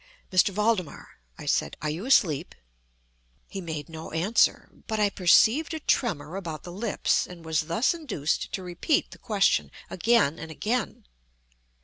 "M. Valdemar," I said, "are you asleep?" He made no answer, but I perceived a tremor about the lips, and was thus induced to repeat the question, again and again.